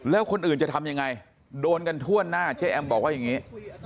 แล้วคนอื่นจะทำยังไงโดนกันทั่วหน้าเจ๊แอมบอกว่าอย่างนี้